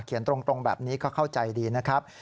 เขียนตรงแบบนี้เขาเข้าใจดีนะครับ